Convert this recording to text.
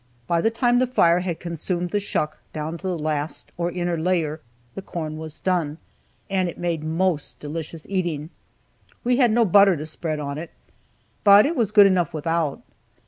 By the time the fire had consumed the shuck down to the last or inner layer, the corn was done, and it made most delicious eating. We had no butter to spread on it, but it was good enough without.